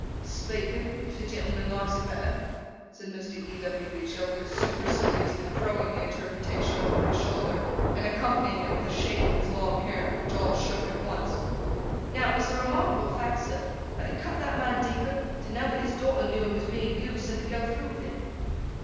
'A speaker, if the gentleman likes it better,' said Mr. E. W. B. Childers, superciliously throwing the interpretation over his shoulder, and accompanying it with a shake of his long hair—which all shook at once. 'Now, it's a remarkable fact, sir, that it cut that man deeper, to know that his daughter knew of his being goosed, than to go through with it.